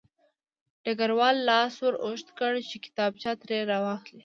ډګروال لاس ور اوږد کړ چې کتابچه ترې راواخلي